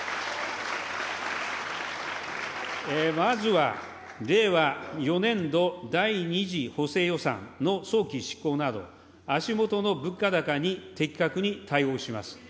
まずは令和４年度第２次補正予算の早期執行など、足下の物価高に的確に対応します。